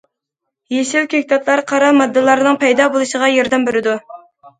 يېشىل كۆكتاتلار قارا ماددىلارنىڭ پەيدا بولۇشىغا ياردەم بېرىدۇ.